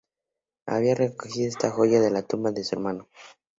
Había recogido esta joya de la tumba de su hermano.